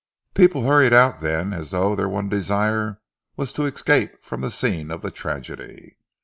People hurried out then as though their one desire was to escape from the scene of the tragedy.